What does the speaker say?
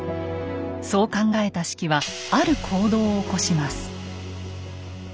そう考えた子規はある行動を起こします。